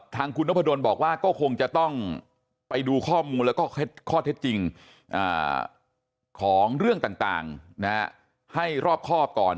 ทางคุณนพดลบอกว่าก็คงจะต้องไปดูข้อมูลแล้วก็ข้อเท็จจริงของเรื่องต่างให้รอบครอบก่อน